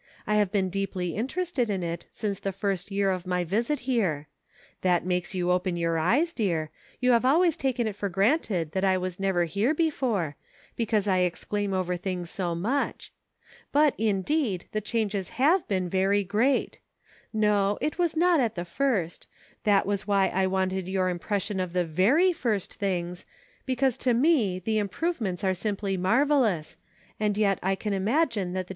I have been deeply interested in it since the first year of my visit here ; that makes you open your eyes, dear ; you have always taken it for granted that I was never here before, because I exclaim over things so much ; but, indeed, the changes have been very great ; no, it was not at the first ; that was why I wanted your impression of the very first things, because to me the improvements are simply marvelous, an3 yet I can imagine that the 248 EVOLUTION.